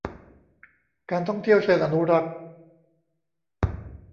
การท่องเที่ยวเชิงอนุรักษ์